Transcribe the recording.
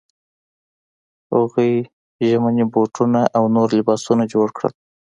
هغوی ژمني بوټان او نور لباسونه جوړ کړل.